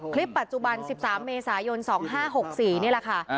คลิปปัจจุบัน๑๓เมษายน๒๕๖๔นี่แหละค่ะ